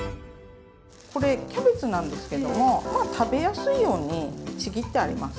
これキャベツなんですけども食べやすいようにちぎってあります。